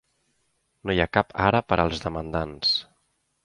No hi ha cap ara per als demandants.